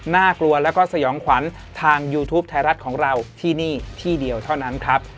น่ากลัวแล้วก็สยองขวัญทางยูทูปไทยรัฐของเราที่นี่ที่เดียวเท่านั้นครับ